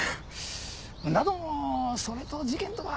だどもそれと事件とは。